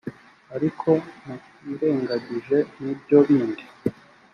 ariko mutirengagije n ibyo bindi